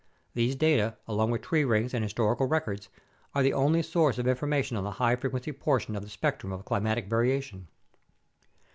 These data, along with tree rings and historical records, are the only source of information on the high frequency portion of the spectrum of climatic variation.